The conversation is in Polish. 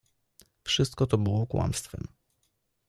Wszystko to było kłamstwem.